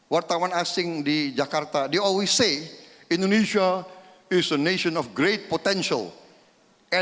wartawan asing di jakarta mereka selalu mengatakan indonesia adalah negara dengan potensi yang besar